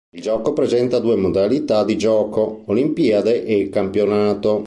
Il gioco presenta due modalità di gioco: Olimpiade e Campionato.